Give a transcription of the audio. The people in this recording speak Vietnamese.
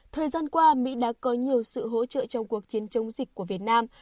thời gian qua mỹ đã có nhiều sự hỗ trợ trong cuộc chiến chống dịch của việt nam